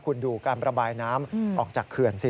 คุณดูการประบายน้ำออกจากเขื่อนสิ